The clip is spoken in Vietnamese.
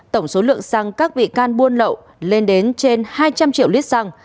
tổng số lượng xăng các bị can buôn lậu lên đến trên hai trăm linh triệu lít xăng